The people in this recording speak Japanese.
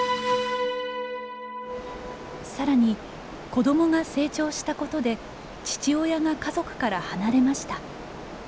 さらに子どもが成長したことで父親が家族から離れました。